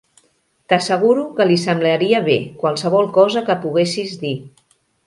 T'asseguro que li semblaria bé qualsevol cosa que poguessis dir.